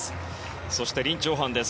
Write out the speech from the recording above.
そしてリン・チョウハンです。